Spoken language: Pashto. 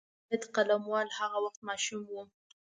مجاهد قلموال هغه وخت ماشوم وو.